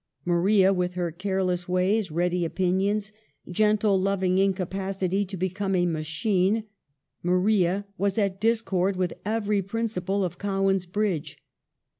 Maria, with her careless ways, ready opinions, gentle loving incapacity to become a machine, Maria was at discord with every principle of Cowan's Bridge.